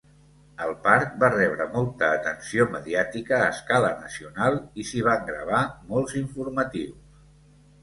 El parc va rebre molta atenció mediàtica a escala nacional i s'hi van gravar molts informatius.